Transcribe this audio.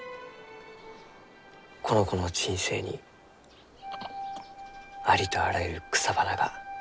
この子の人生にありとあらゆる草花が咲き誇るように。